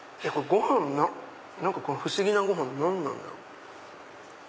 何か不思議なご飯何なんだろう？